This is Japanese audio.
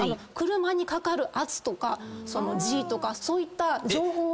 車にかかる圧とかそのＧとかそういった情報を。